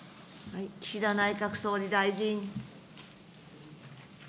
岸田内閣総理大臣。